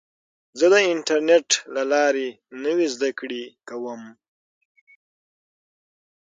زه د انټرنیټ له لارې نوې زده کړه کوم.